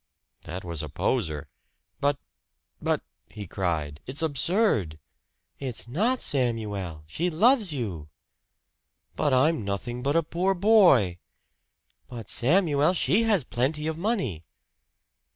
That was a poser. "But but " he cried. "It's absurd!" "It's not, Samuel! She loves you!" "But I'm nothing but a poor boy!" "But, Samuel, she has plenty of money!"